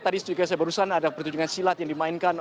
tadi saya baru saja ada pertunjukan silat yang dimainkan